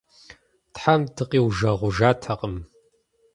Тхьэм дыкъиужэгъужатэкъым.